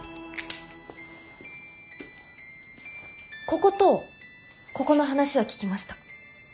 こことここの話は聞きました。